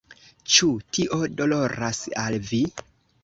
Ĉu tio doloras al vi?